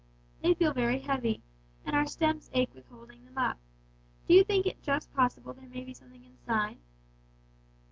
They feel very heavy, and our stems ache with holding them up; do you think it just possible there may be something inside?'